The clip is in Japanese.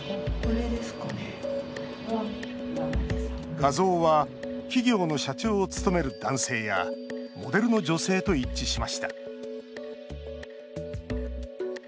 画像は企業の社長を務める男性やモデルの女性と一致しました。